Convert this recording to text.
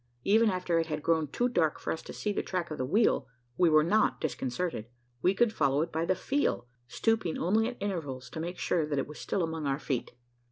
Even after it had grown too dark for us to see the track of the wheel, we were not disconcerted. We could follow it by the feel stooping only at intervals to make sure that it was still among our feet.